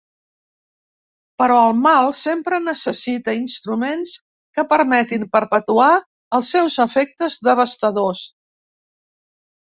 Però el mal sempre necessita instruments que permetin perpetuar els seus efectes devastadors.